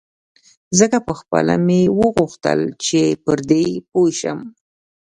ځکه پخپله مې هم غوښتل چې پر دې پوی شم.